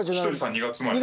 ２月生まれ。